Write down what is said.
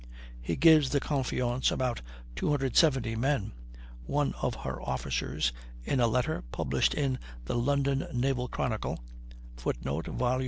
He gives the Confiance but 270 men; one of her officers, in a letter published in the London Naval Chronicle, [Footnote: Vol.